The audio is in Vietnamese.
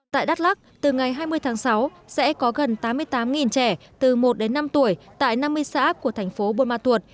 tại đắk lắc từ ngày hai mươi tháng sáu sẽ có gần tám mươi tám trẻ từ một đến năm tuổi tại năm mươi xã của thành phố buôn ma thuột